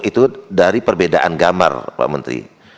itu dari perbedaan gambar pak menteri